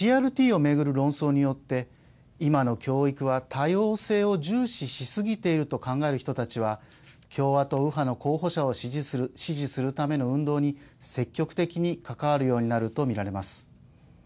ＣＲＴを巡る論争によって今の教育は多様性を重視しすぎていると考える人たちは共和党右派の候補者を支持するための運動に積極的に関わるようになると見られます。